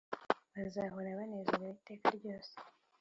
Bazahora banezerew’ iteka ryose!